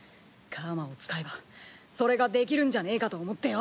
楔を使えばそれができるんじゃねえかと思ってよ。